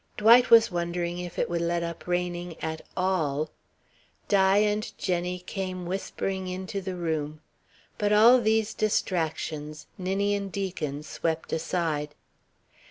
Dwight was wondering if it would let up raining at all. Di and Jenny came whispering into the room. But all these distractions Ninian Deacon swept aside.